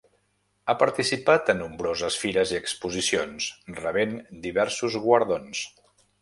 Ha participat a nombroses fires i exposicions, rebent diversos guardons.